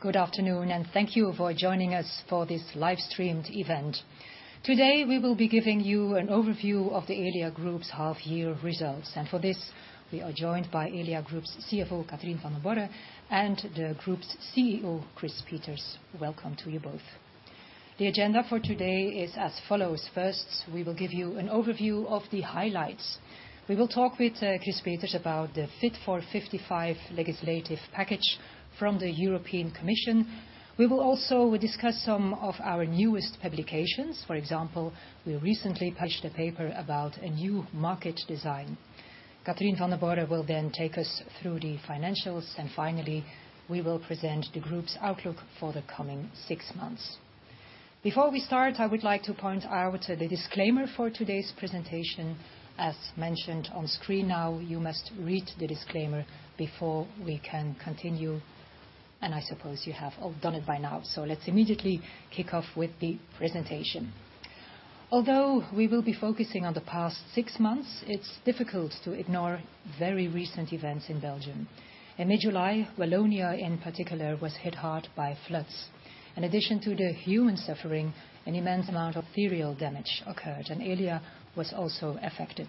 Good afternoon. Thank you for joining us for this live-streamed event. Today, we will be giving you an overview of the Elia Group's half year results. For this, we are joined by Elia Group's CFO, Catherine Vandenborre, and the group's CEO, Chris Peeters. Welcome to you both. The agenda for today is as follows. First, we will give you an overview of the highlights. We will talk with Chris Peeters about the Fit for 55 legislative package from the European Commission. We will also discuss some of our newest publications. For example, we recently published a paper about a new market design. Catherine Vandenborre will then take us through the financials, and finally, we will present the group's outlook for the coming six months. Before we start, I would like to point out the disclaimer for today's presentation, as mentioned on screen now. You must read the disclaimer before we can continue, and I suppose you have all done it by now. Let's immediately kick off with the presentation. Although we will be focusing on the past six months, it's difficult to ignore very recent events in Belgium. In mid-July, Wallonia in particular was hit hard by floods. In addition to the human suffering, an immense amount of material damage occurred, and Elia was also affected.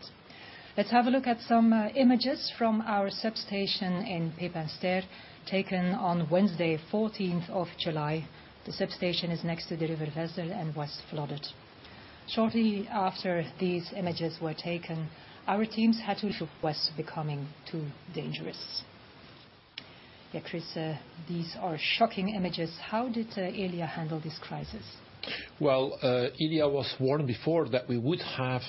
Let's have a look at some images from our substation in Pepinster, taken on Wednesday, 14th of July. The substation is next to the River Vesdre and was flooded. Shortly after these images were taken, our teams had to leave as it was becoming too dangerous. Yeah, Chris, these are shocking images. How did Elia handle this crisis? Well, Elia was warned before that we would have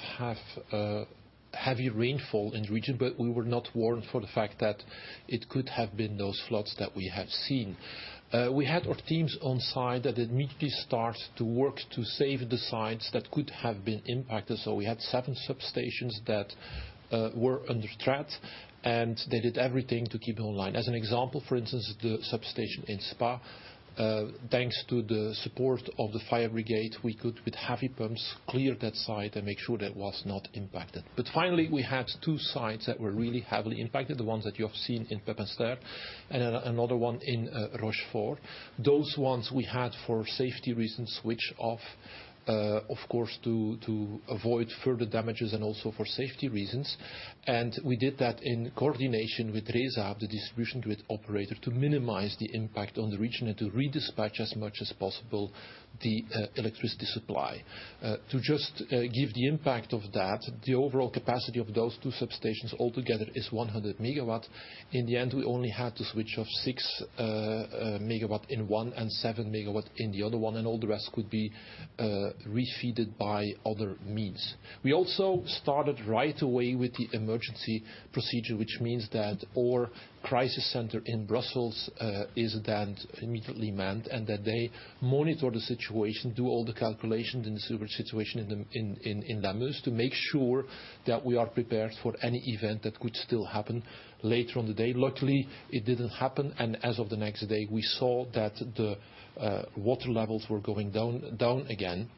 heavy rainfall in the region. We were not warned for the fact that it could have been those floods that we have seen. We had our teams on-site that immediately start to work to save the sites that could have been impacted. We had seven substations that were under threat, and they did everything to keep it online. As an example, for instance, the substation in Spa, thanks to the support of the fire brigade, we could, with heavy pumps, clear that site and make sure that was not impacted. Finally, we had two sites that were really heavily impacted, the ones that you have seen in Pepinster and another one in Rochefort. Those ones we had, for safety reasons, switch off, of course, to avoid further damages and also for safety reasons. We did that in coordination with RESA, the distribution grid operator, to minimize the impact on the region and to redispatch as much as possible the electricity supply. To just give the impact of that, the overall capacity of those two substations altogether is 100 MW. In the end, we only had to switch off 6 MW in one and 7 MW in the other one, and all the rest could be re-fed by other means. We also started right away with the emergency procedure, which means that our crisis center in Brussels is then immediately manned, and that they monitor the situation, do all the calculations in the severe situation in Namur to make sure that we are prepared for any event that could still happen later on the day. Luckily, it didn't happen. As of the next day, we saw that the water levels were going down again.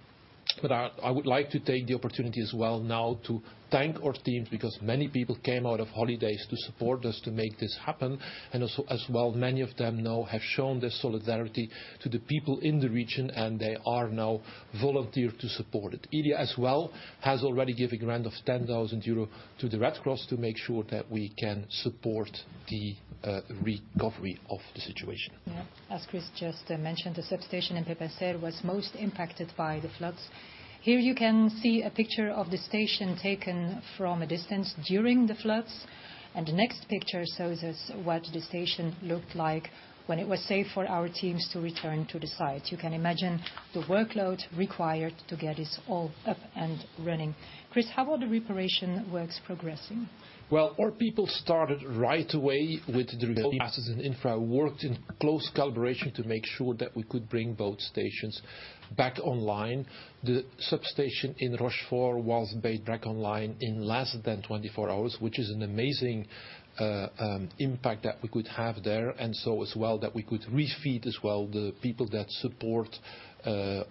I would like to take the opportunity as well now to thank our teams, because many people came out of holidays to support us to make this happen. As well, many of them now have shown their solidarity to the people in the region, and they are now volunteer to support it. Elia as well has already given a grant of 10,000 euros to the Red Cross to make sure that we can support the recovery of the situation. Yeah. As Chris just mentioned, the substation in Pepinster was most impacted by the floods. Here you can see a picture of the station taken from a distance during the floods, and the next picture shows us what the station looked like when it was safe for our teams to return to the site. You can imagine the workload required to get this all up and running. Chris, how are the reparation works progressing? Well, our people started right away with the recovery. Assets and infra worked in close collaboration to make sure that we could bring both stations back online. The substation in Rochefort was made back online in less than 24 hrs, which is an amazing impact that we could have there. So as well that we could re-feed as well the people that support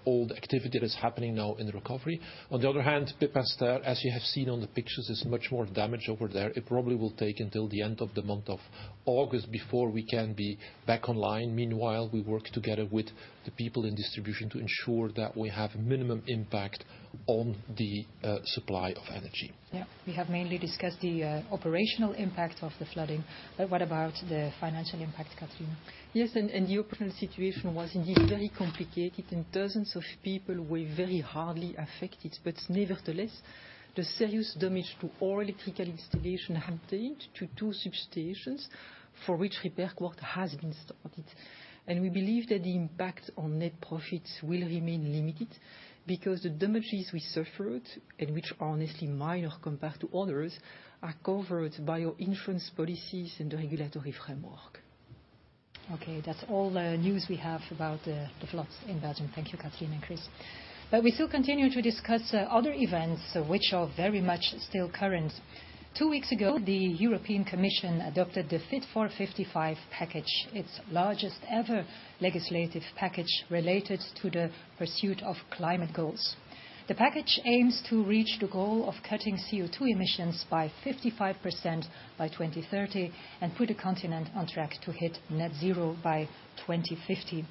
all the activity that's happening now in the recovery. On the other hand, Pepinster, as you have seen on the pictures, is much more damage over there. It probably will take until the end of the month of August before we can be back online. Meanwhile, we work together with the people in distribution to ensure that we have minimum impact on the supply of energy. Yeah. We have mainly discussed the operational impact of the flooding. What about the financial impact, Catherine? Yes, the operational situation was indeed very complicated, and dozens of people were very hardly affected. Nevertheless, the serious damage to our electrical installation happened to two substations, for which repair work has been started. We believe that the impact on net profits will remain limited, because the damages we suffered, and which are honestly minor compared to others, are covered by our insurance policies and the regulatory framework. Okay, that's all the news we have about the floods in Belgium. Thank you, Catherine Vandenborre and Chris. We still continue to discuss other events which are very much still current. Two weeks ago, the European Commission adopted the Fit for 55 package, its largest ever legislative package related to the pursuit of climate goals. The package aims to reach the goal of cutting CO2 emissions by 55% by 2030 and put the continent on track to hit net zero by 2050.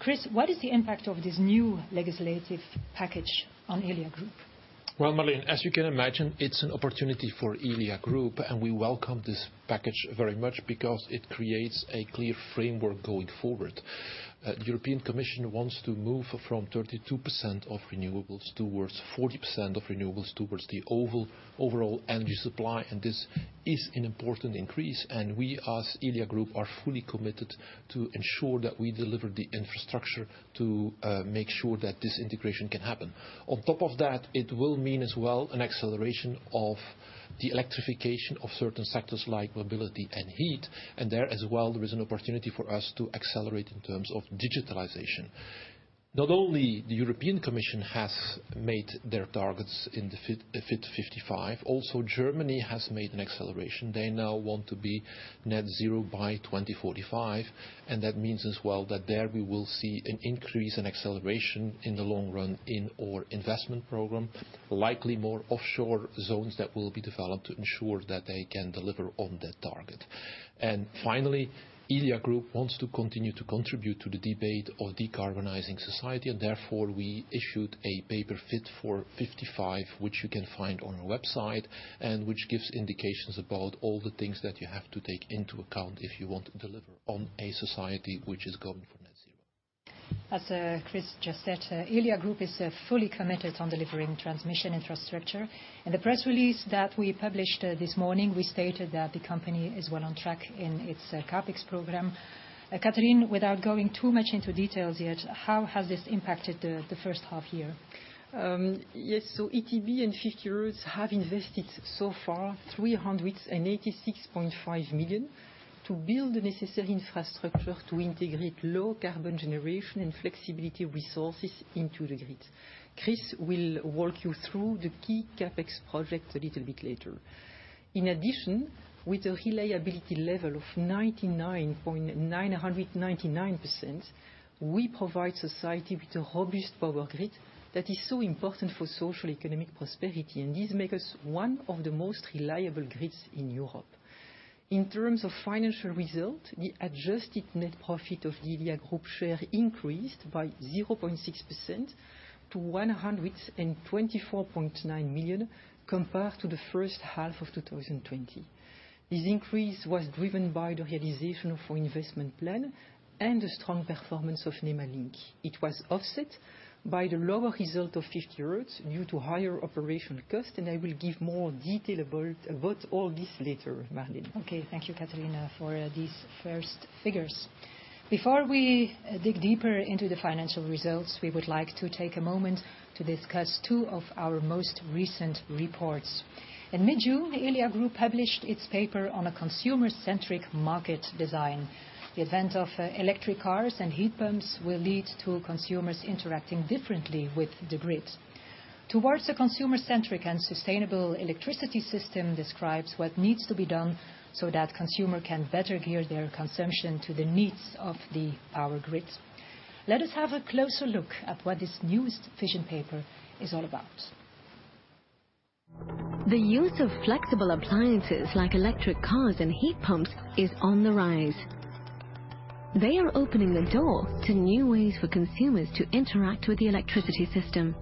Chris, what is the impact of this new legislative package on Elia Group? Well, Marleen, as you can imagine, it's an opportunity for Elia Group, and we welcome this package very much because it creates a clear framework going forward. European Commission wants to move from 32% of renewables towards 40% of renewables towards the overall energy supply, and this is an important increase, and we as Elia Group are fully committed to ensure that we deliver the infrastructure to make sure that this integration can happen. On top of that, it will mean as well an acceleration of the electrification of certain sectors like mobility and heat, and there as well, there is an opportunity for us to accelerate in terms of digitalization. Not only the European Commission has made their targets in the Fit for 55, also Germany has made an acceleration. They now want to be net zero by 2045, that means as well that there we will see an increase in acceleration in the long run in our investment program. Likely more offshore zones that will be developed to ensure that they can deliver on that target. Finally, Elia Group wants to continue to contribute to the debate of decarbonizing society, therefore, we issued a paper, Fit for 55, which you can find on our website, which gives indications about all the things that you have to take into account if you want to deliver on a society which is going for net zero. As Chris just said, Elia Group is fully committed on delivering transmission infrastructure. In the press release that we published this morning, we stated that the company is well on track in its CapEx program. Catherine, without going too much into details yet, how has this impacted the first half year? ETBE and 50Hertz have invested so far 386.5 million to build the necessary infrastructure to integrate low-carbon generation and flexibility resources into the grid. Chris will walk you through the key CapEx project a little bit later. In addition, with a reliability level of 99.999%, we provide society with a robust power grid that is so important for social economic prosperity, and this make us one of the most reliable grids in Europe. In terms of financial result, the adjusted net profit of the Elia Group share increased by 0.6% to 124.9 million, compared to H1 2020. This increase was driven by the realization of our investment plan and the strong performance of Nemo Link. It was offset by the lower result of 50Hertz due to higher operation cost, and I will give more detail about all this later, Marleen. Okay. Thank you, Catherine, for these first figures. Before we dig deeper into the financial results, we would like to take a moment to discuss two of our most recent reports. In mid-June, Elia Group published its paper on a consumer-centric market design. The event of electric cars and heat pumps will lead to consumers interacting differently with the grid. Towards a Consumer-Centric and Sustainable Electricity System describes what needs to be done so that consumer can better gear their consumption to the needs of the power grid. Let us have a closer look at what this newest vision paper is all about. The use of flexible appliances like electric cars and heat pumps is on the rise. They are opening the door to new ways for consumers to interact with the electricity system.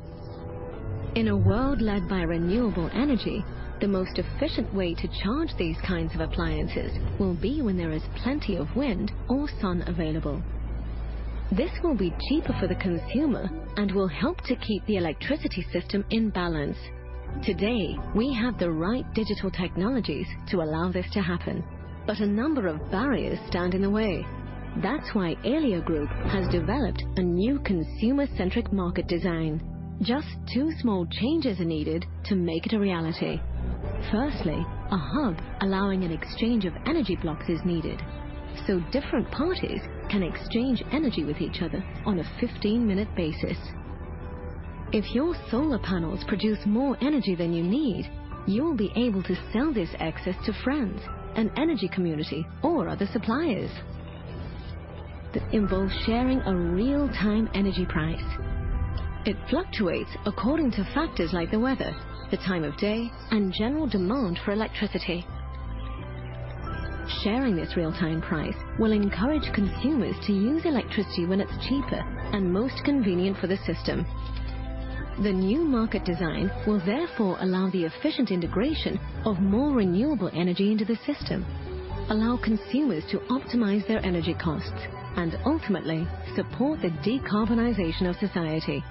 In a world led by renewable energy, the most efficient way to charge these kinds of appliances will be when there is plenty of wind or sun available. This will be cheaper for the consumer and will help to keep the electricity system in balance. Today, we have the right digital technologies to allow this to happen, but a number of barriers stand in the way. That's why Elia Group has developed a new consumer-centric market design. Just two small changes are needed to make it a reality. Firstly, a hub allowing an exchange of energy blocks is needed, so different parties can exchange energy with each other on a 15-minute basis. If your solar panels produce more energy than you need, you will be able to sell this excess to friends, an energy community, or other suppliers. This involves sharing a real-time energy price. It fluctuates according to factors like the weather, the time of day, and general demand for electricity. Sharing this real-time price will encourage consumers to use electricity when it's cheaper and most convenient for the system. The new market design will therefore allow the efficient integration of more renewable energy into the system, allow consumers to optimize their energy costs, and ultimately support the decarbonization of society.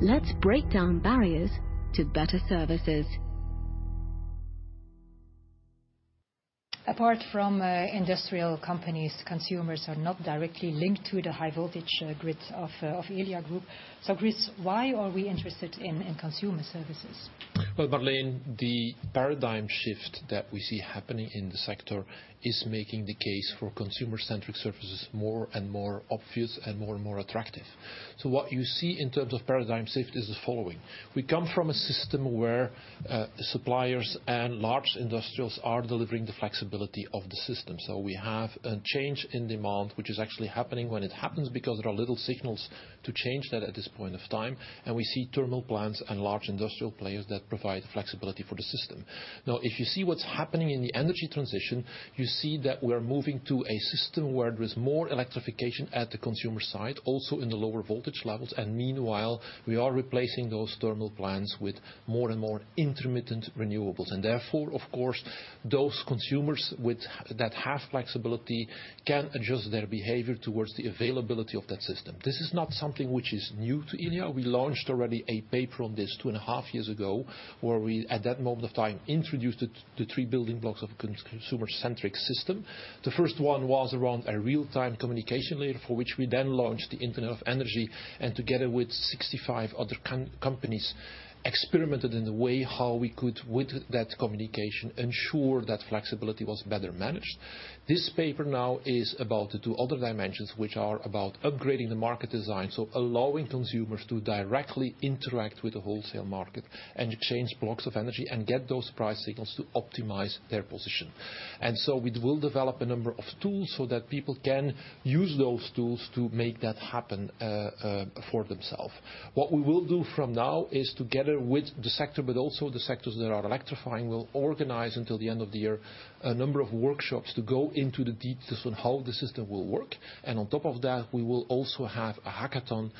Let's break down barriers to better services. Apart from industrial companies, consumers are not directly linked to the high voltage grids of Elia Group. Chris, why are we interested in consumer services? Marleen, the paradigm shift that we see happening in the sector is making the case for consumer-centric services more and more obvious and more and more attractive. What you see in terms of paradigm shift is the following. We come from a system where suppliers and large industrials are delivering the flexibility of the system. We have a change in demand, which is actually happening when it happens, because there are little signals to change that at this point of time. We see thermal plants and large industrial players that provide flexibility for the system. If you see what's happening in the energy transition, you see that we're moving to a system where there's more electrification at the consumer side, also in the lower voltage levels. Meanwhile, we are replacing those thermal plants with more and more intermittent renewables. Therefore, of course, those consumers that have flexibility can adjust their behavior towards the availability of that system. This is not something which is new to Elia. We launched already a paper on this two and a half years ago, where we, at that moment of time, introduced the three building blocks of a consumer-centric system. The first one was around a real-time communication layer, for which we then launched the Internet of Energy. Together with 65 other companies, experimented in the way how we could, with that communication, ensure that flexibility was better managed. This paper now is about the two other dimensions, which are about upgrading the market design. Allowing consumers to directly interact with the wholesale market and exchange blocks of energy and get those price signals to optimize their position. We will develop a number of tools so that people can use those tools to make that happen for themselves. What we will do from now is, together with the sector, but also the sectors that are electrifying, we will organize, until the end of the year, a number of workshops to go into the details on how the system will work. On top of that, we will also have a hackathon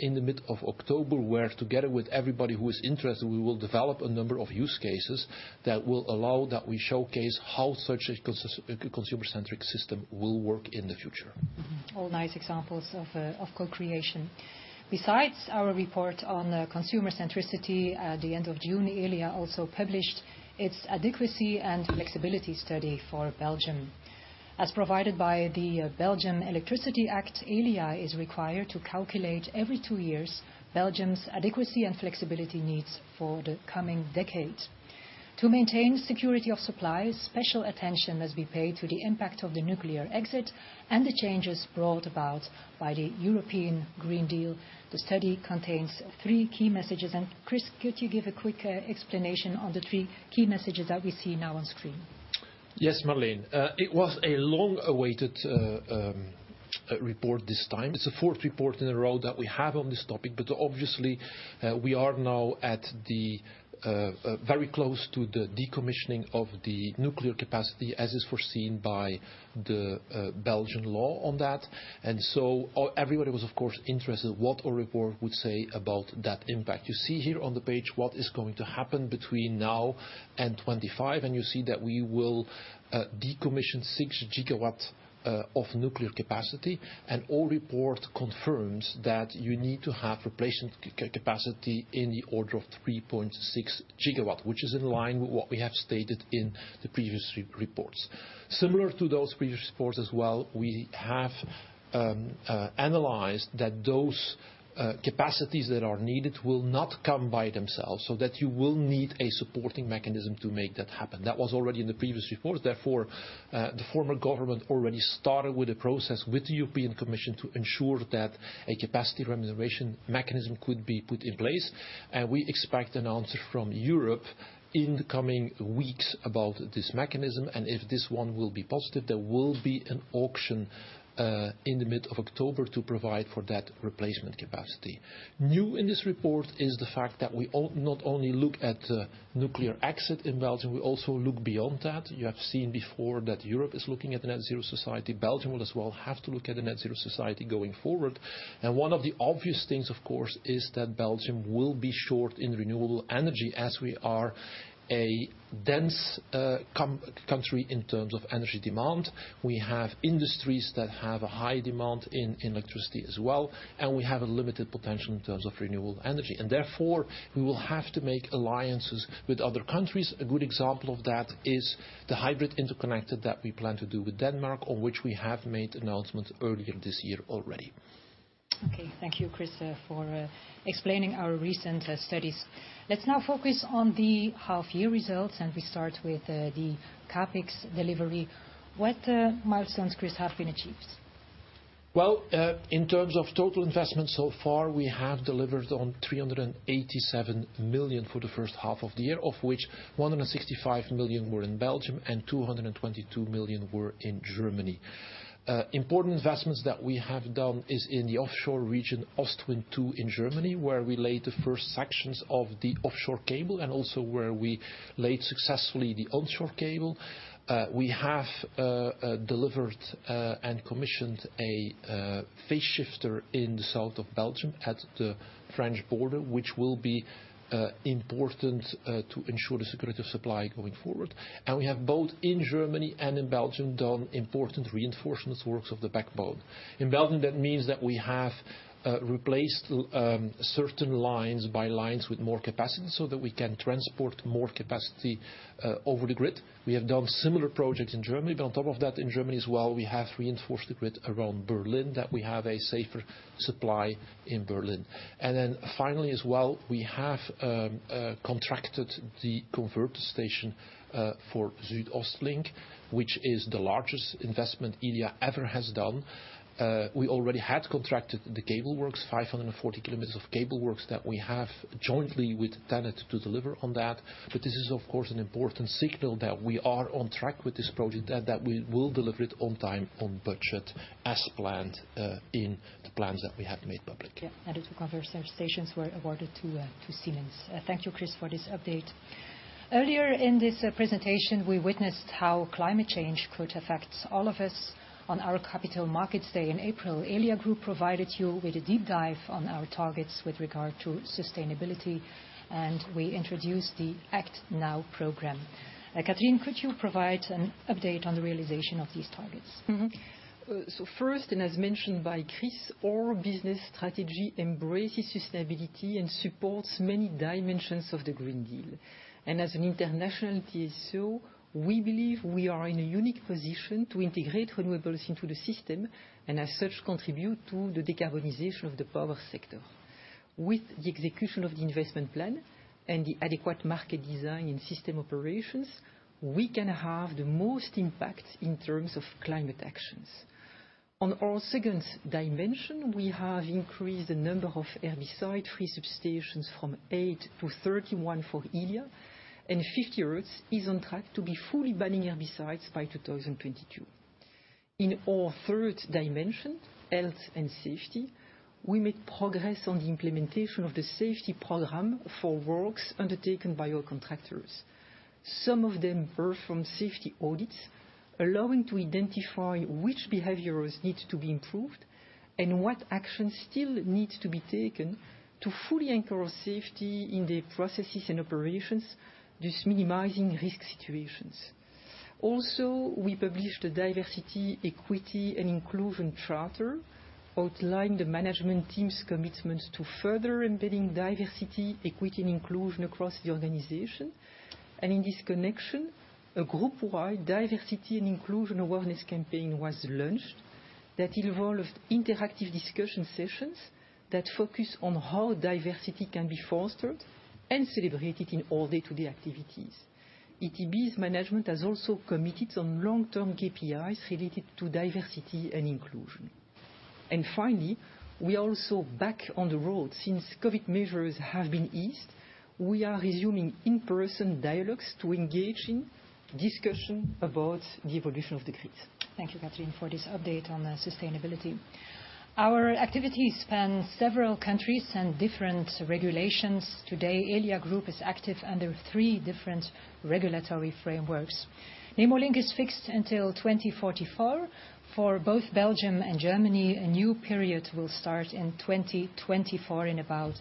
in the middle of October, where together with everybody who is interested, we will develop a number of use cases that will allow that we showcase how such a consumer-centric system will work in the future. All nice examples of co-creation. Besides our report on consumer centricity, at the end of June, Elia also published its adequacy and flexibility study for Belgium. As provided by the Belgian Electricity Act, Elia is required to calculate every two years Belgium's adequacy and flexibility needs for the coming decade. To maintain security of supply, special attention must be paid to the impact of the nuclear exit and the changes brought about by the European Green Deal. The study contains three key messages. Chris, could you give a quick explanation on the three key messages that we see now on screen? Yes, Marleen. It was a long-awaited report this time. It is the fourth report in a row that we have on this topic. Obviously we are now very close to the decommissioning of the nuclear capacity, as is foreseen by the Belgian law on that. Everybody was, of course, interested what a report would say about that impact. You see here on the page what is going to happen between now and 2025. You see that we will decommission 6 GW of nuclear capacity. All report confirms that you need to have replacement capacity in the order of 3.6 GW, which is in line with what we have stated in the previous reports. Similar to those previous reports as well, we have analyzed that those capacities that are needed will not come by themselves, so that you will need a supporting mechanism to make that happen. That was already in the previous report. The former government already started with a process with the European Commission to ensure that a capacity remuneration mechanism could be put in place. We expect an answer from Europe in the coming weeks about this mechanism. If this one will be positive, there will be an auction in the middle of October to provide for that replacement capacity. New in this report is the fact that we not only look at nuclear exit in Belgium, we also look beyond that. You have seen before that Europe is looking at a net zero society. Belgium will as well have to look at a net zero society going forward. One of the obvious things, of course, is that Belgium will be short in renewable energy as we are a dense country in terms of energy demand. We have industries that have a high demand in electricity as well, and we have a limited potential in terms of renewable energy. Therefore, we will have to make alliances with other countries. A good example of that is the hybrid interconnector that we plan to do with Denmark, on which we have made announcements earlier this year already. Okay. Thank you, Chris, for explaining our recent studies. Let's now focus on the half year results, and we start with the CapEx delivery. What milestones, Chris, have been achieved? In terms of total investment so far, we have delivered on 387 million for the first half of the year, of which 165 million were in Belgium and 222 million were in Germany. Important investments that we have done is in the offshore region, Ostwind 2 in Germany, where we laid the first sections of the offshore cable, and also where we laid successfully the onshore cable. We have delivered and commissioned a phase shifter in the south of Belgium at the French border, which will be important to ensure the security of supply going forward. We have both, in Germany and in Belgium, done important reinforcement works of the backbone. In Belgium, that means that we have replaced certain lines by lines with more capacity so that we can transport more capacity over the grid. We have done similar projects in Germany, but on top of that, in Germany as well, we have reinforced the grid around Berlin, that we have a safer supply in Berlin. Finally as well, we have contracted the converter station for SüdOstLink, which is the largest investment Elia ever has done. We already had contracted the cable works, 540 km of cable works that we have jointly with TenneT to deliver on that. This is, of course, an important signal that we are on track with this project and that we will deliver it on time, on budget, as planned in the plans that we have made public. Yeah. The two converter stations were awarded to Siemens. Thank you, Chris, for this update. Earlier in this presentation, we witnessed how climate change could affect all of us. On our Capital Markets Day in April, Elia Group provided you with a deep dive on our targets with regard to sustainability, and we introduced the ActNow program. Catherine, could you provide an update on the realization of these targets? First, as mentioned by Chris, our business strategy embraces sustainability and supports many dimensions of the Green Deal. As an international TSO, we believe we are in a unique position to integrate renewables into the system, and as such, contribute to the decarbonization of the power sector. With the execution of the investment plan and the adequate market design and system operations, we can have the most impact in terms of climate actions. On our second dimension, we have increased the number of herbicide-free substations from eight-31 for Elia, 50Hertz is on track to be fully banning herbicides by 2022. In our third dimension, health and safety, we made progress on the implementation of the safety program for works undertaken by our contractors. Some of them were from safety audits, allowing to identify which behaviors need to be improved and what actions still need to be taken to fully anchor safety in the processes and operations, thus minimizing risk situations. We published a diversity, equity, and inclusion charter outlining the management team's commitments to further embedding diversity, equity, and inclusion across the organization. In this connection, a group-wide diversity and inclusion awareness campaign was launched that involved interactive discussion sessions that focus on how diversity can be fostered and celebrated in all day-to-day activities. ETBE's management has also committed some long-term KPIs related to diversity and inclusion. Finally, we are also back on the road. Since COVID-19 measures have been eased, we are resuming in-person dialogues to engage in discussion about the evolution of the grid. Thank you, Catherine, for this update on sustainability. Our activities span several countries and different regulations. Today, Elia Group is active under three different regulatory frameworks. Nemo Link is fixed until 2044. For both Belgium and Germany, a new period will start in 2024, in about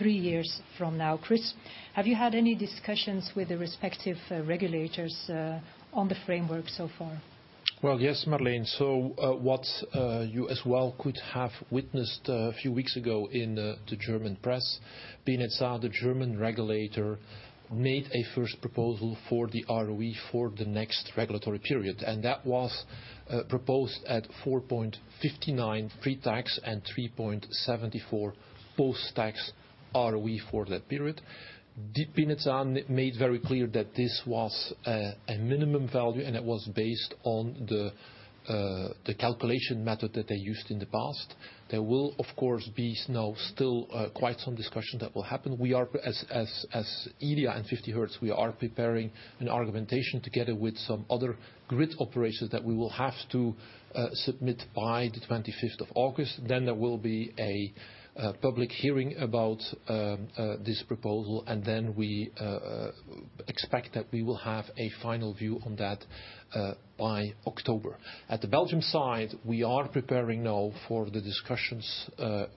three years from now. Chris, have you had any discussions with the respective regulators on the framework so far? Well, yes, Marleen. What you as well could have witnessed a few weeks ago in the German press, BNetzA, the German regulator, made a first proposal for the ROE for the next regulatory period, and that was proposed at 4.59% pre-tax and 3.74% post-tax ROE for that period. The BNetzA made very clear that this was a minimum value, and it was based on the calculation method that they used in the past. There will, of course, be now still quite some discussion that will happen. As Elia and 50Hertz, we are preparing an argumentation together with some other grid operators that we will have to submit by the 25th of August. There will be a public hearing about this proposal, and then we expect that we will have a final view on that by October. At the Belgian side, we are preparing now for the discussions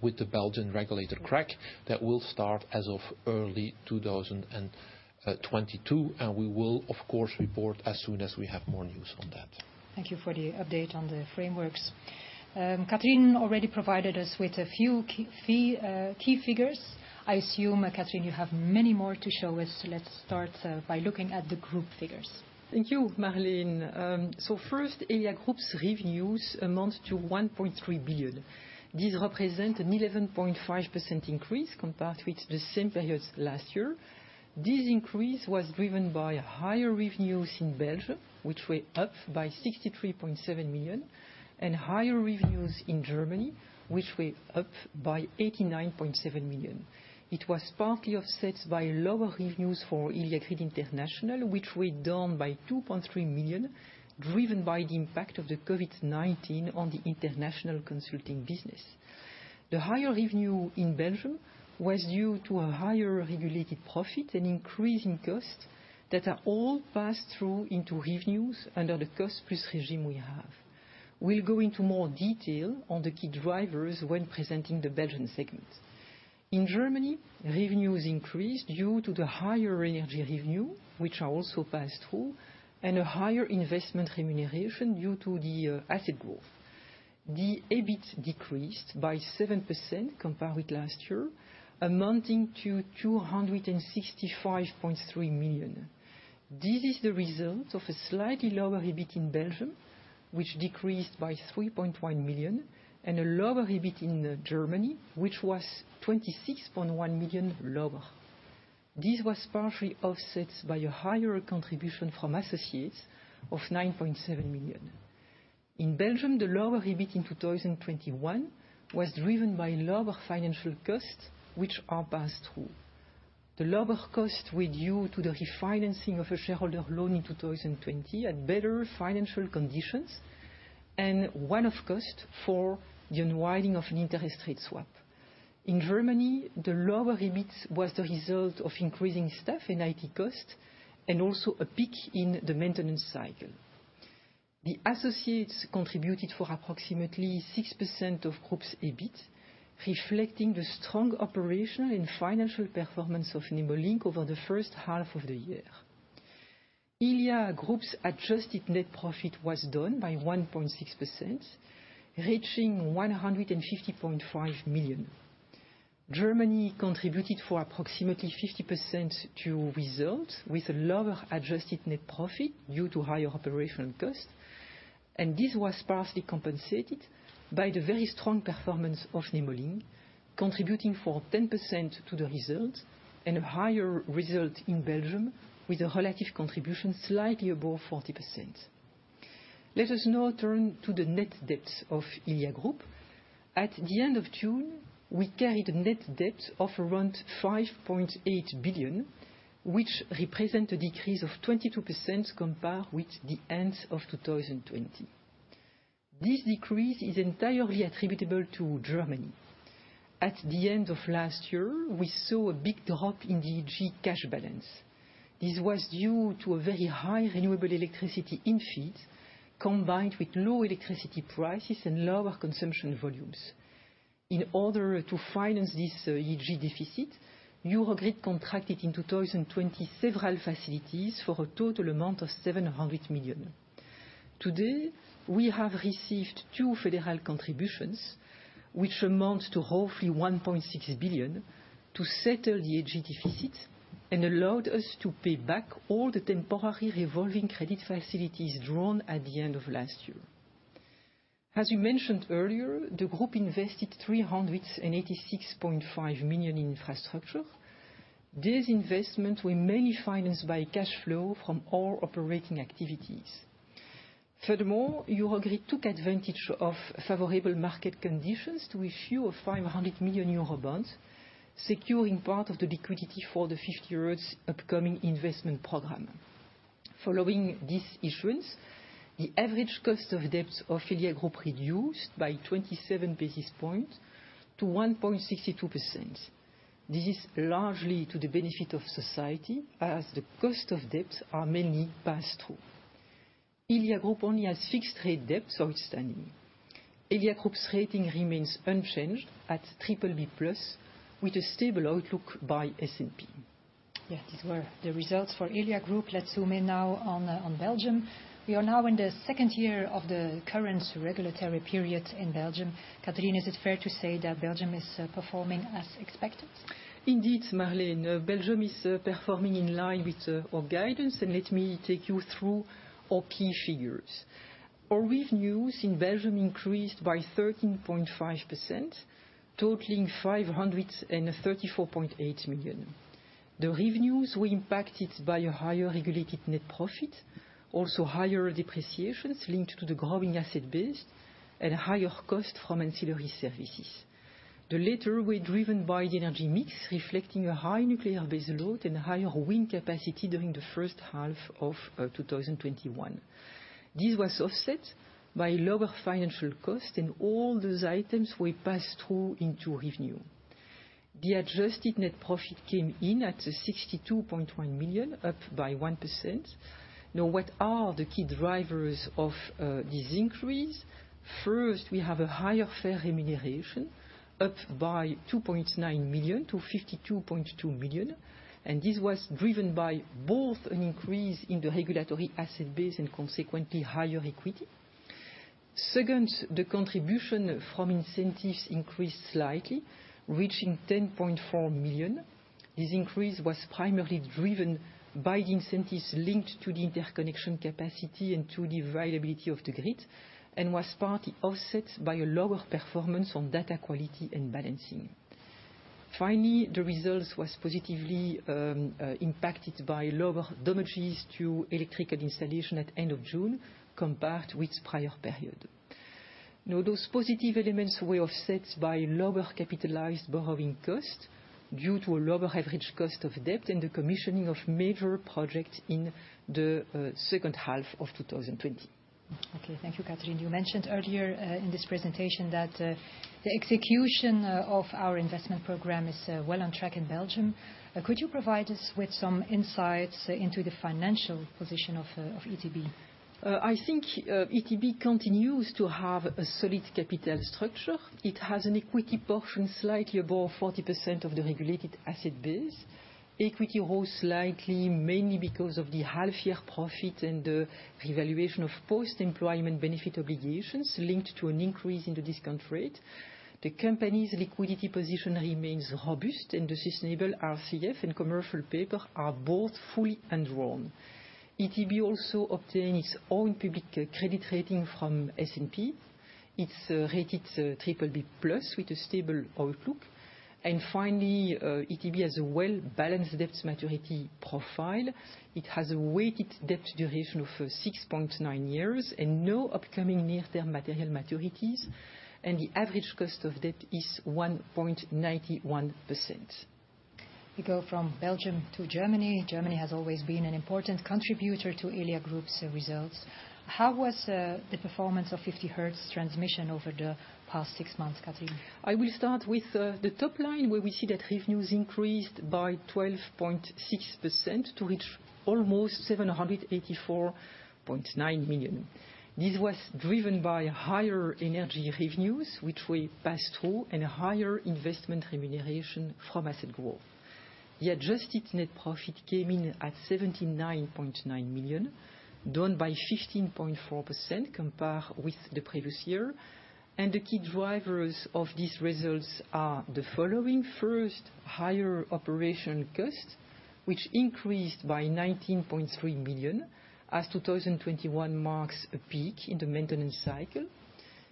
with the Belgian regulator, CREG, that will start as of early 2022, and we will, of course, report as soon as we have more news on that. Thank you for the update on the frameworks. Catherine already provided us with a few key figures. I assume, Catherine, you have many more to show us. Let's start by looking at the group figures. Thank you, Marleen. First, Elia Group's revenues amounts to 1.3 billion. These represent an 11.5% increase compared with the same period last year. This increase was driven by higher revenues in Belgium, which were up by 63.7 million, and higher revenues in Germany, which were up by 89.7 million. It was partly offset by lower revenues for Elia Grid International, which were down by 2.3 million, driven by the impact of the COVID-19 on the international consulting business. The higher revenue in Belgium was due to a higher regulated profit and increasing costs that are all passed through into revenues under the cost plus regime we have. We'll go into more detail on the key drivers when presenting the Belgium segment. In Germany, revenues increased due to the higher energy revenue, which are also passed through, and a higher investment remuneration due to the asset growth. The EBIT decreased by 7% compared with last year, amounting to 265.3 million. This is the result of a slightly lower EBIT in Belgium, which decreased by 3.1 million, and a lower EBIT in Germany, which was 26.1 million lower. This was partially offset by a higher contribution from associates of 9.7 million. In Belgium, the lower EBIT in 2021 was driven by lower financial costs, which are passed through. The lower costs were due to the refinancing of a shareholder loan in 2020 at better financial conditions and one-off cost for the unwinding of an interest rate swap. In Germany, the lower EBIT was the result of increasing staff and IT costs and also a peak in the maintenance cycle. The associates contributed for approximately 6% of group's EBIT, reflecting the strong operational and financial performance of Nemo Link over the first half of the year. Elia Group's adjusted net profit was down by 1.6%, reaching 150.5 million. Germany contributed for approximately 50% to results, with a lower adjusted net profit due to higher operational costs. This was partially compensated by the very strong performance of Nemo Link, contributing for 10% to the results and a higher result in Belgium with a relative contribution slightly above 40%. Let us now turn to the net debt of Elia Group. At the end of June, we carried a net debt of around 5.8 billion, which represent a decrease of 22% compared with the end of 2020. This decrease is entirely attributable to Germany. At the end of last year, we saw a big drop in the EEG cash balance. This was due to a very high renewable electricity infeed, combined with low electricity prices and lower consumption volumes. In order to finance this EEG deficit, Eurogrid contracted in 2020 several facilities for a total amount of 700 million. Today, we have received two federal contributions, which amounts to roughly 1.6 billion to settle the EEG deficit and allowed us to pay back all the temporary revolving credit facilities drawn at the end of last year. As we mentioned earlier, the group invested 386.5 million in infrastructure. This investment were mainly financed by cash flow from all operating activities. Furthermore, Eurogrid took advantage of favorable market conditions to issue a 500 million euro bond, securing part of the liquidity for the 50Hertz upcoming investment program. Following this issuance, the average cost of debt of Elia Group reduced by 27 basis points to 1.62%. This is largely to the benefit of society as the cost of debts are mainly passed through. Elia Group only has fixed rate debts outstanding. Elia Group's rating remains unchanged at BBB+ with a stable outlook by S&P. Yes, these were the results for Elia Group. Let's zoom in now on Belgium. We are now in the second year of the current regulatory period in Belgium. Catherine, is it fair to say that Belgium is performing as expected? Indeed, Marleen. Belgium is performing in line with our guidance. Let me take you through our key figures. Our revenues in Belgium increased by 13.5%, totaling 534.8 million. The revenues were impacted by a higher regulated net profit, also higher depreciations linked to the growing asset base and higher cost from ancillary services. The latter were driven by the energy mix, reflecting a high nuclear base load and higher wind capacity during the first half of 2021. This was offset by lower financial cost. All those items were passed through into revenue. The adjusted net profit came in at 62.1 million, up by 1%. Now, what are the key drivers of this increase? First, we have a higher fair remuneration, up by 2.9 million to 52.2 million. This was driven by both an increase in the regulatory asset base and consequently higher equity. Second, the contribution from incentives increased slightly, reaching 10.4 million. This increase was primarily driven by the incentives linked to the interconnection capacity and to the availability of the grid and was partly offset by a lower performance on data quality and balancing. Finally, the results were positively impacted by lower damages to electrical installation at end of June compared with prior period. Those positive elements were offset by lower capitalized borrowing costs due to a lower average cost of debt and the commissioning of major projects in the second half of 2020. Okay. Thank you, Catherine. You mentioned earlier in this presentation that the execution of our investment program is well on track in Belgium. Could you provide us with some insights into the financial position of ETBE? I think ETBE continues to have a solid capital structure. It has an equity portion slightly above 40% of the regulated asset base. Equity rose slightly mainly because of the half-year profit and the revaluation of post-employment benefit obligations linked to an increase in the discount rate. The company's liquidity position remains robust and the sustainable RCF and commercial paper are both fully undrawn. ETBE also obtained its own public credit rating from S&P. It's rated BBB+ with a stable outlook. Finally, ETBE has a well-balanced debt maturity profile. It has a weighted debt duration of 6.9 years and no upcoming near-term material maturities, and the average cost of debt is 1.91%. We go from Belgium to Germany. Germany has always been an important contributor to Elia Group's results. How was the performance of 50Hertz Transmission over the past six months, Catherine? I will start with the top line, where we see that revenues increased by 12.6% to reach almost 784.9 million. This was driven by higher energy revenues, which we passed through, and higher investment remuneration from asset growth. The adjusted net profit came in at 79.9 million, down by 15.4% compared with the previous year. The key drivers of these results are the following. First, higher operational costs, which increased by 19.3 million, as 2021 marks a peak in the maintenance cycle.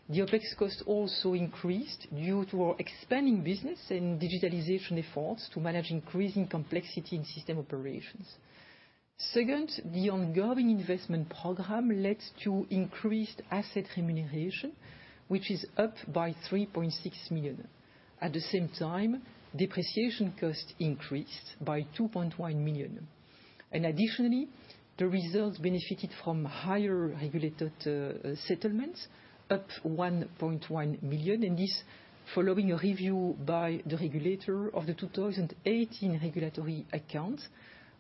The OpEx costs also increased due to our expanding business and digitalization efforts to manage increasing complexity in system operations. Second, the ongoing investment program led to increased asset remuneration, which is up by 3.6 million. At the same time, depreciation costs increased by 2.1 million. Additionally, the results benefited from higher regulated settlements, up 1.1 million, and this following a review by the regulator of the 2018 regulatory accounts,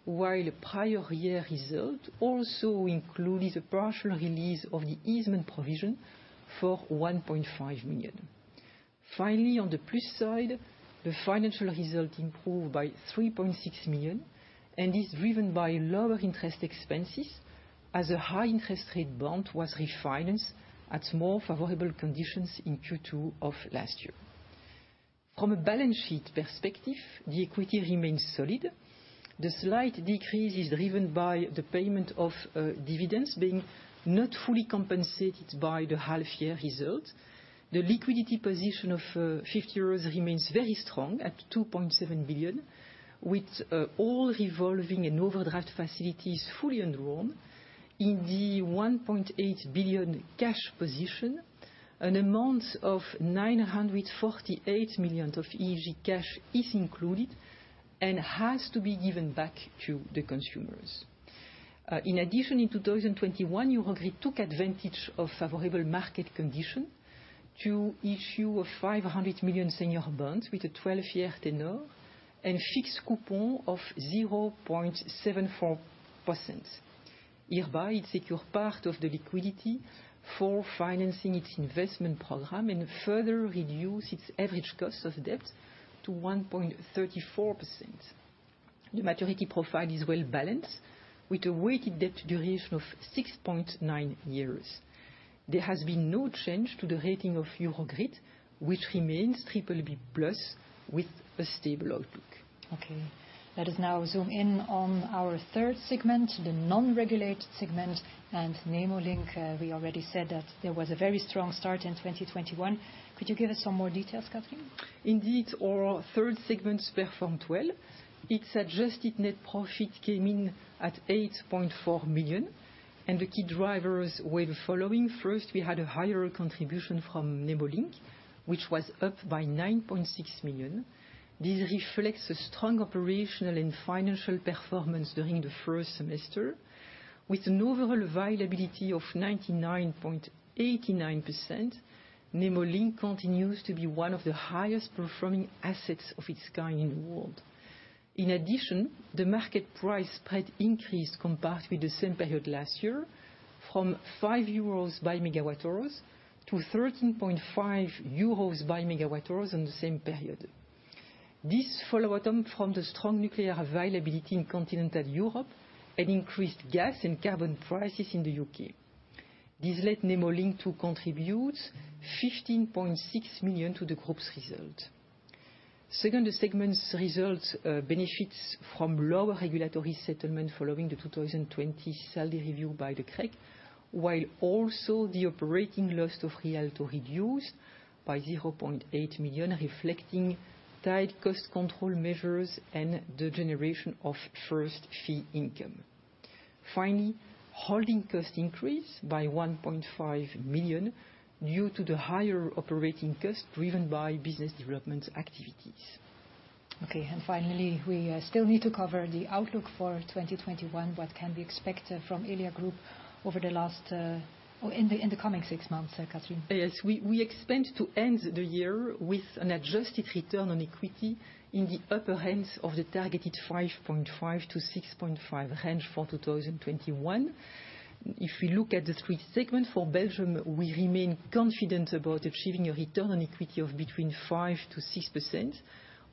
while the prior year result also included a partial release of the easement provision for 1.5 million. Finally, on the plus side, the financial result improved by 3.6 million and is driven by lower interest expenses as a high-interest rate bond was refinanced at more favorable conditions in Q2 of last year. From a balance sheet perspective, the equity remains solid. The slight decrease is driven by the payment of dividends being not fully compensated by the half-year result. The liquidity position of 50Hertz remains very strong at 2.7 billion, with all revolving and overdraft facilities fully undrawn. In the 1.8 billion cash position, an amount of 948 million of EEG cash is included and has to be given back to the consumers. In addition, in 2021, Eurogrid took advantage of favorable market conditions to issue a 500 million senior bond with a 12-year tenor and fixed coupon of 0.74%. Hereby, it secured part of the liquidity for financing its investment program and further reduced its average cost of debt to 1.34%. The maturity profile is well-balanced with a weighted debt duration of 6.9 years. There has been no change to the rating of Eurogrid, which remains BBB+ with a stable outlook. Okay. Let us now zoom in on our third segment, the non-regulated segment and Nemo Link. We already said that there was a very strong start in 2021. Could you give us some more details, Catherine? Indeed, our third segment performed well. Its adjusted net profit came in at 8.4 million. The key drivers were the following. First, we had a higher contribution from Nemo Link, which was up by 9.6 million. This reflects a strong operational and financial performance during the first semester. With an overall availability of 99.89%, Nemo Link continues to be one of the highest performing assets of its kind in the world. In addition, the market price spread increased compared with the same period last year, from 5 euros by megawatt hours to 13.5 euros by megawatt hours in the same period. This followed on from the strong nuclear availability in continental Europe and increased gas and carbon prices in the U.K. This led Nemo Link to contribute 15.6 million to the group's result. The segment's results benefits from lower regulatory settlement following the 2020 salary review by the CREG, while also the operating loss of re.alto reduced by 0.8 million, reflecting tight cost control measures and the generation of first fee income. Holding cost increased by 1.5 million due to the higher operating cost driven by business development activities. Okay, finally, we still need to cover the outlook for 2021. What can we expect from Elia Group in the coming six months, Catherine? Yes. We expect to end the year with an adjusted return on equity in the upper end of the targeted 5.5%-6.5% range for 2021. If we look at the grid segment for Belgium, we remain confident about achieving a return on equity of between 5%-6%,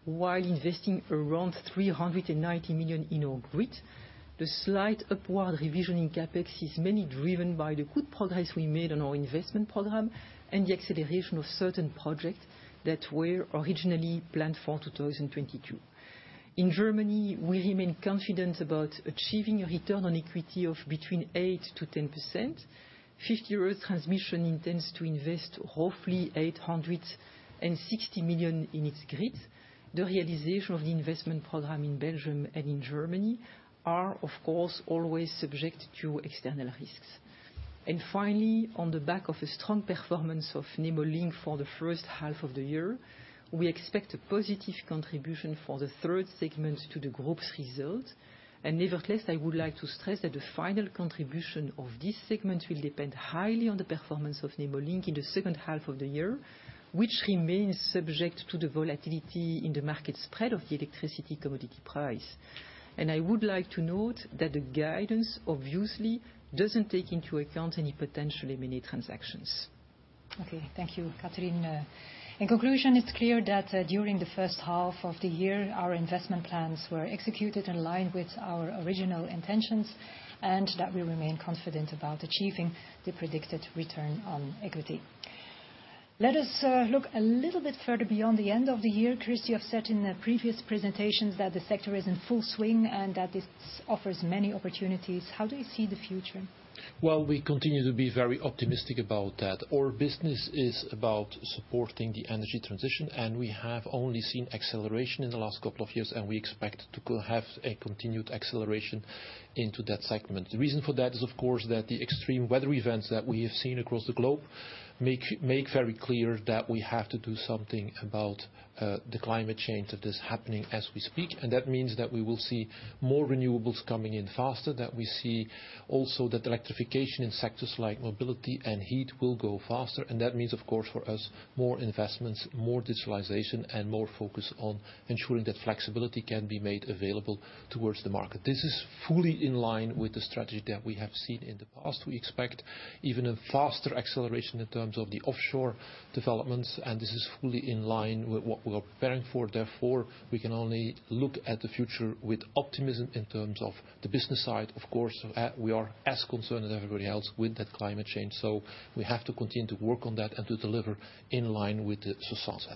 while investing around 390 million in our grid. The slight upward revision in CapEx is mainly driven by the good progress we made on our investment program and the acceleration of certain projects that were originally planned for 2022. In Germany, we remain confident about achieving a return on equity of between 8%-10%. 50Hertz Transmission intends to invest roughly 860 million in its grid. The realization of the investment program in Belgium and in Germany are, of course, always subject to external risks. Finally, on the back of a strong performance of Nemo Link for the first half of the year, we expect a positive contribution for the third segment to the group's result. Nevertheless, I would like to stress that the final contribution of this segment will depend highly on the performance of Nemo Link in the second half of the year, which remains subject to the volatility in the market spread of the electricity commodity price. I would like to note that the guidance obviously doesn't take into account any potential M&A transactions. Okay. Thank you, Catherine. In conclusion, it's clear that during the first half of the year, our investment plans were executed in line with our original intentions, and that we remain confident about achieving the predicted return on equity. Let us look a little bit further beyond the end of the year. Chris, you have said in previous presentations that the sector is in full swing and that this offers many opportunities. How do you see the future? Well, we continue to be very optimistic about that. Our business is about supporting the energy transition, and we have only seen acceleration in the last couple of years, and we expect to have a continued acceleration into that segment. The reason for that is, of course, that the extreme weather events that we have seen across the globe make very clear that we have to do something about the climate change that is happening as we speak. That means that we will see more renewables coming in faster, that we see also that electrification in sectors like mobility and heat will go faster. That means, of course, for us, more investments, more digitalization, and more focus on ensuring that flexibility can be made available towards the market. This is fully in line with the strategy that we have seen in the past. We expect even a faster acceleration in terms of the offshore developments, and this is fully in line with what we are preparing for. Therefore, we can only look at the future with optimism in terms of the business side. Of course, we are as concerned as everybody else with that climate change. We have to continue to work on that and to deliver in line with the society.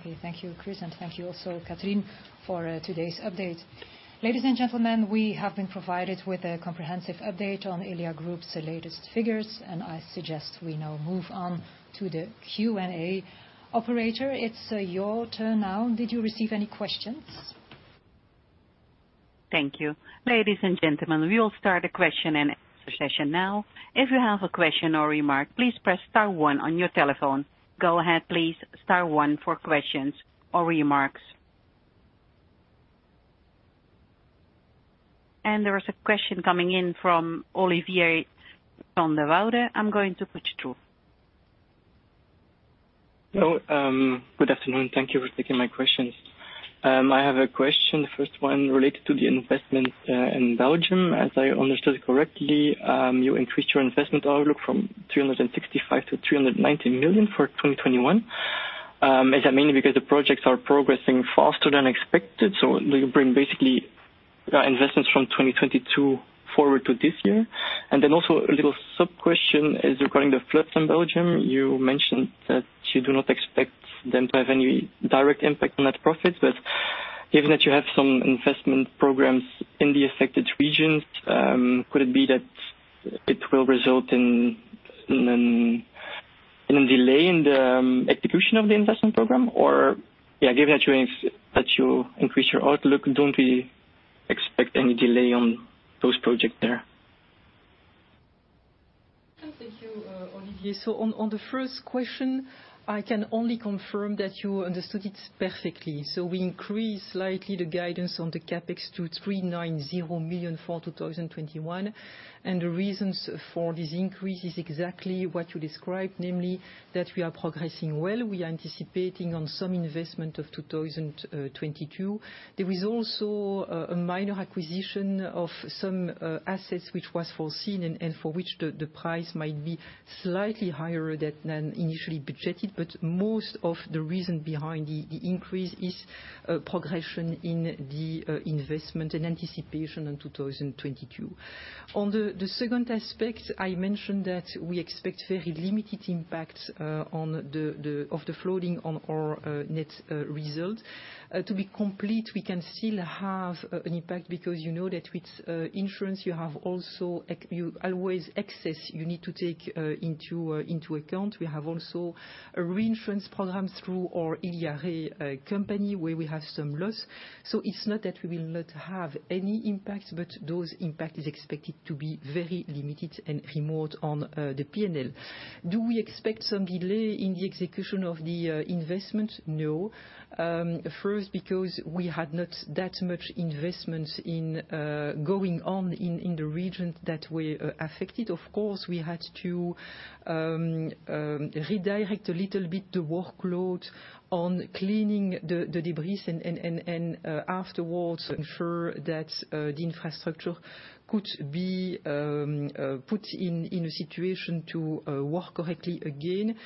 Okay. Thank you, Chris, and thank you also, Catherine, for today's update. Ladies and gentlemen, we have been provided with a comprehensive update on Elia Group's latest figures, and I suggest we now move on to the Q&A. Operator, it's your turn now. Did you receive any questions? Thank you. Ladies and gentlemen, we will start the question and answer session now. If you have a question or remark, please press star one on your telephone. Go ahead, please. Star one for questions or remarks. There is a question coming in from Olivier Vandewoude. I'm going to put you through. Hello. Good afternoon. Thank you for taking my questions. I have a question, the first one related to the investment in Belgium. As I understood correctly, you increased your investment outlook from 365 to 390 million for 2021. Is that mainly because the projects are progressing faster than expected? Do you bring basically investments from 2022 forward to this year? Also a little sub-question is regarding the floods in Belgium. You mentioned that you do not expect them to have any direct impact on net profits, but given that you have some investment programs in the affected regions, could it be that it will result in a delay in the execution of the investment program? Given that you increased your outlook, don't we expect any delay on those projects there? Thank you, Olivier. On the first question, I can only confirm that you understood it perfectly. We increased slightly the guidance on the CapEx to 390 million for 2021. The reasons for this increase is exactly what you described, namely, that we are progressing well. We are anticipating on some investment of 2022. There is also a minor acquisition of some assets which was foreseen and for which the price might be slightly higher than initially budgeted. Most of the reason behind the increase is progression in the investment and anticipation in 2022. On the second aspect, I mentioned that we expect very limited impact of the flooding on our net result. To be complete, we can still have an impact because you know that with insurance, you have always excess you need to take into account. We have also a reinsurance program through our Elia Re company, where we have some loss. It's not that we will not have any impact, but those impact is expected to be very limited and remote on the P&L. Do we expect some delay in the execution of the investment? No. First, because we had not that much investment going on in the region that were affected. Of course, we had to redirect a little bit the workload on cleaning the debris and afterwards ensure that the infrastructure could be put in a situation to work correctly again.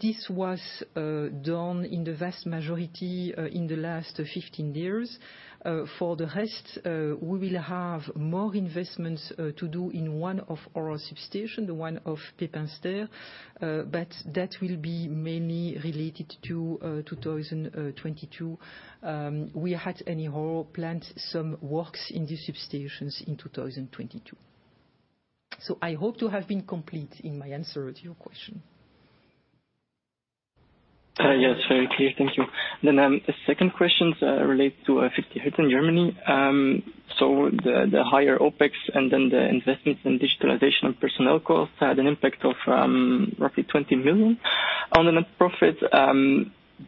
This was done in the vast majority in the last 15 days. For the rest, we will have more investments to do in one of our substation, the one of Pepinster, but that will be mainly related to 2022. We had anyhow planned some works in the substations in 2022. I hope to have been complete in my answer to your question. Yes, very clear. Thank you. The second question relates to Fichtelhöhe in Germany. The higher OpEx and then the investments in digitalization and personnel costs had an impact of roughly 20 million. On the net profit,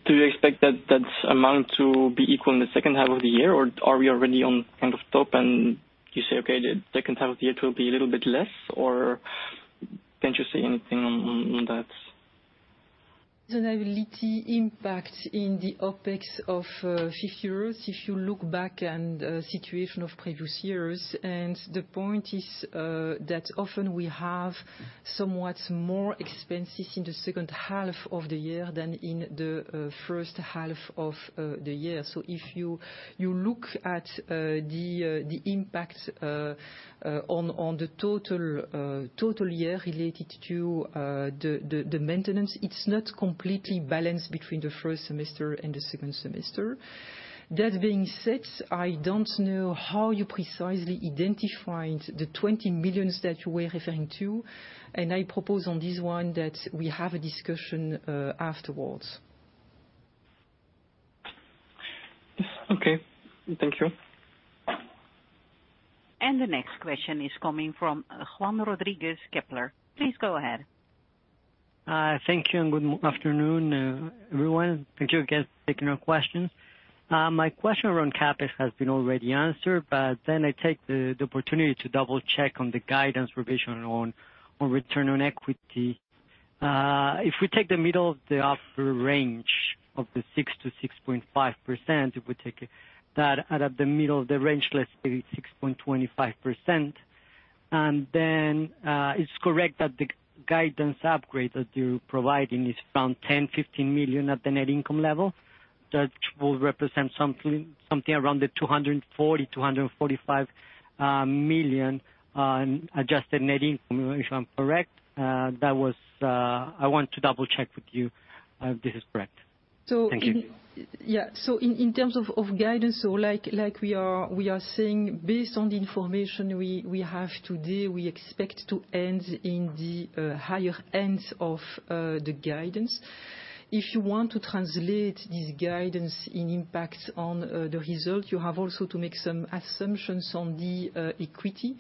do you expect that amount to be equal in the second half of the year, or are we already on kind of top and you say, "Okay, the second half of the year it will be a little bit less," or can you say anything on that? There will be impact in the OpEx of 50Hertz if you look back on the situation of previous years. The point is that often we have somewhat more expenses in the second half of the year than in the first half of the year. If you look at the impact on the total year related to the maintenance, it's not completely balanced between the first semester and the second semester. That being said, I don't know how you precisely identified the 20 million that you were referring to, and I propose on this one that we have a discussion afterwards. Okay. Thank you. The next question is coming from Juan Rodriguez, Kepler. Please go ahead. Thank you and good afternoon, everyone. Thank you again for taking our question. My question around CapEx has been already answered, but then I take the opportunity to double-check on the guidance revision on return on equity. If we take the middle of the upper range of the 6%-6.5%, if we take that at the middle of the range, let's say it's 6.25%. It's correct that the guidance upgrade that you're providing is around 10 million-15 million at the net income level, that will represent something around 240 million-245 million on adjusted net income, if I'm correct. I want to double-check with you if this is correct. Thank you. In terms of guidance, like we are saying, based on the information we have today, we expect to end in the higher end of the guidance. If you want to translate this guidance in impact on the result, you have also to make some assumptions on the equity.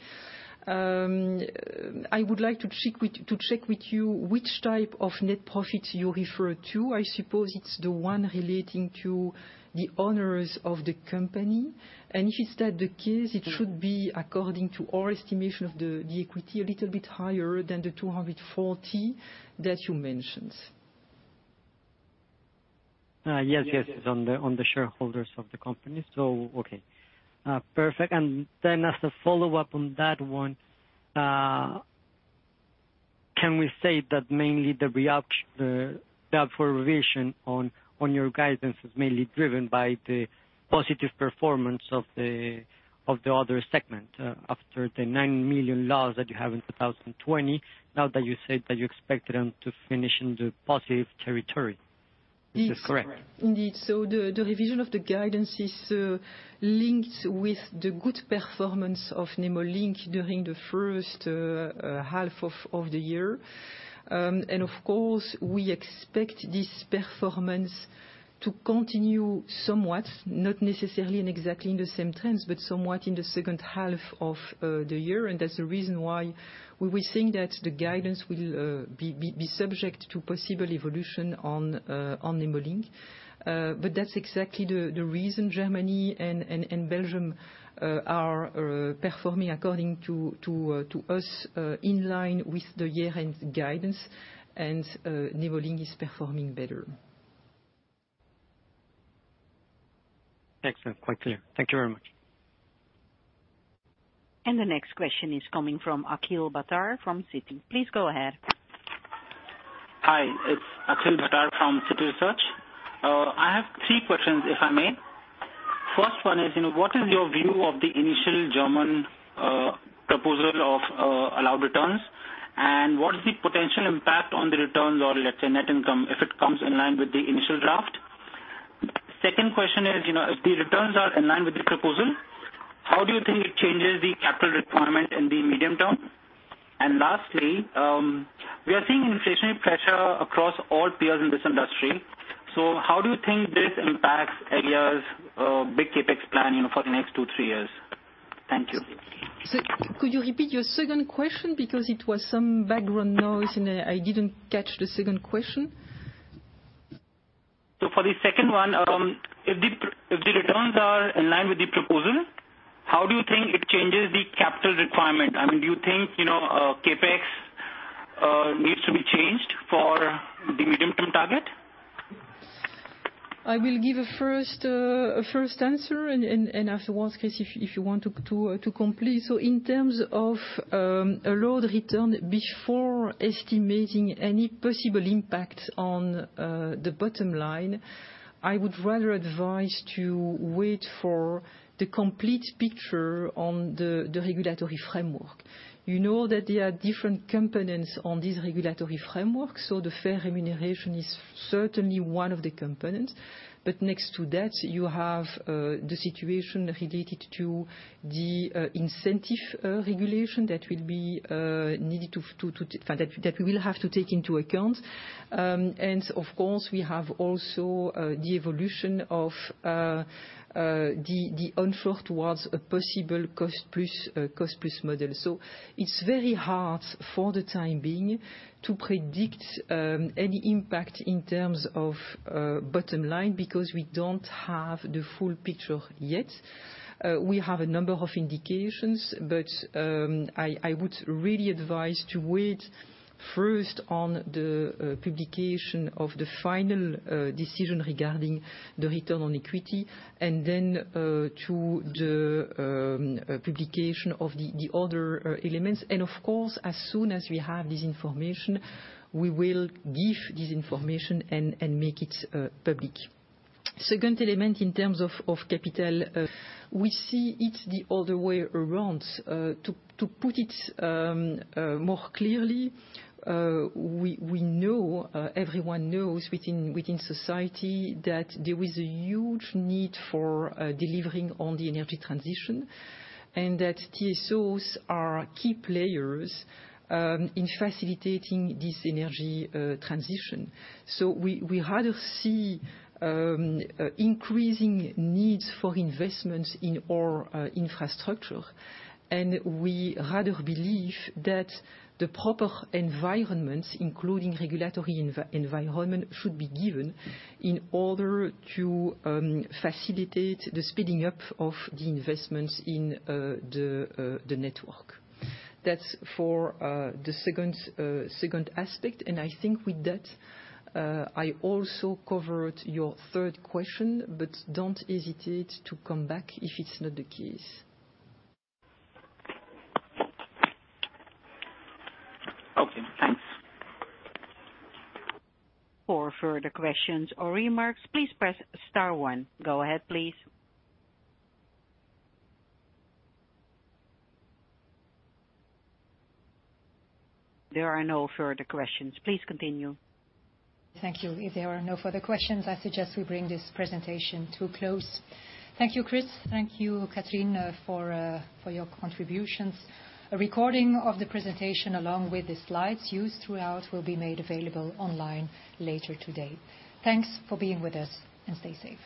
I would like to check with you which type of net profits you refer to. I suppose it's the one relating to the owners of the company. If it's that the case, it should be according to our estimation of the equity, a little bit higher than 240 million that you mentioned. Yes. It's on the shareholders of the company. Okay. Perfect. As a follow-up on that one, can we say that mainly the revision on your guidance is mainly driven by the positive performance of the other segment after the 9 million loss that you have in 2020, now that you said that you expect them to finish in the positive territory? Is this correct? Indeed. The revision of the guidance is linked with the good performance of Nemo Link during the first half of the year. And of course, we expect this performance to continue somewhat, not necessarily and exactly in the same trends, but somewhat in the second half of the year. That's the reason why we think that the guidance will be subject to possible evolution on Nemo Link. That's exactly the reason Germany and Belgium are performing according to us, in line with the year-end guidance, and Nemo Link is performing better. Excellent. Quite clear. Thank you very much. The next question is coming from Akhil Bhattar from Citi. Please go ahead. Hi, it's Akhil Bhattar from Citi Research. I have three questions, if I may. First one is, what is your view of the initial German proposal of allowed returns, and what is the potential impact on the returns or, let's say, net income, if it comes in line with the initial draft? Second question is, if the returns are in line with the proposal, how do you think it changes the capital requirement in the medium term? Lastly, we are seeing inflationary pressure across all peers in this industry. How do you think this impacts Elia's big CapEx plan for the next two, three years? Thank you. Could you repeat your second question? Because it was some background noise, and I didn't catch the second question. For the second one, if the returns are in line with the proposal, how do you think it changes the capital requirement? I mean, do you think CapEx needs to be changed for the medium-term target? I will give a first answer. Afterwards, Chris, if you want to complete. In terms of allowed return, before estimating any possible impact on the bottom line, I would rather advise to wait for the complete picture on the regulatory framework. You know that there are different components on this regulatory framework. The fair remuneration is certainly one of the components. Next to that, you have the situation related to the incentive regulation that we will have to take into account. Of course, we have also the evolution of the outlook towards a possible cost-plus model. It's very hard, for the time being, to predict any impact in terms of bottom line, because we don't have the full picture yet. We have a number of indications. I would really advise to wait first on the publication of the final decision regarding the return on equity and then to the publication of the other elements. Of course, as soon as we have this information, we will give this information and make it public. Second element in terms of capital, we see it the other way around. To put it more clearly, we know, everyone knows within society that there is a huge need for delivering on the energy transition, and that TSOs are key players in facilitating this energy transition. We rather see increasing needs for investments in our infrastructure, and we rather believe that the proper environments, including regulatory environment, should be given in order to facilitate the speeding up of the investments in the network. That's for the second aspect. I think with that, I also covered your third question. Don't hesitate to come back if it's not the case. Okay, thanks. For further questions or remarks, please press star one. Go ahead, please. There are no further questions. Please continue. Thank you. If there are no further questions, I suggest we bring this presentation to a close. Thank you, Chris. Thank you, Catherine, for your contributions. A recording of the presentation along with the slides used throughout will be made available online later today. Thanks for being with us, and stay safe.